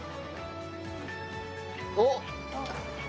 おっ！